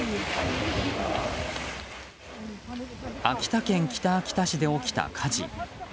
秋田県北秋田市で起きた火事。